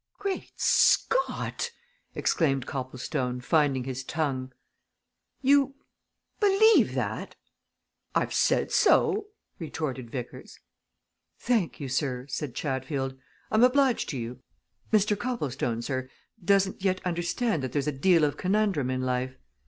"Great Scott!" exclaimed Copplestone, finding his tongue. "You believe that!" "I've said so," retorted Vickers. "Thank you, sir," said Chatfield. "I'm obliged to you. Mr. Copplestone, sir, doesn't yet understand that there's a deal of conundrum in life.